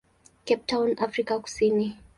Cape Town, Afrika Kusini.